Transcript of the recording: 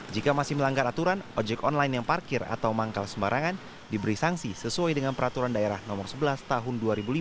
jika masih melanggar aturan ojek online yang parkir atau manggal sembarangan diberi sanksi sesuai dengan peraturan daerah nomor sebelas tahun dua ribu lima